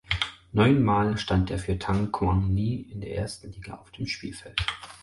Neunmal stand er für Than Quang Ninh in der ersten Liga auf dem Spielfeld.